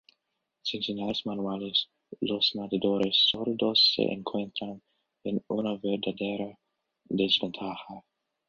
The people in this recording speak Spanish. Sin señales manuales, los nadadores sordos se encuentran en una verdadera desventaja.